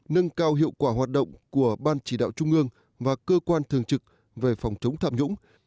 nâng cao hiệu quả hoạt động của ban chỉ đạo trung ương và cơ quan thường trực về phòng chống tham nhũng